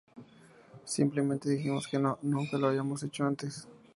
Simplemente dijimos que no, nunca lo habíamos hecho antes.